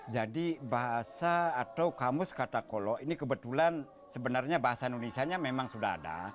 jadi bahasa atau kamus kata kolok ini kebetulan sebenarnya bahasa indonesia nya memang sudah ada